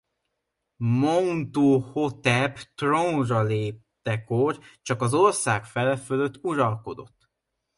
Montuhotep trónra léptekor csak az ország fele fölött uralkodott.